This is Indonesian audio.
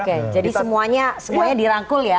oke jadi semuanya dirangkul ya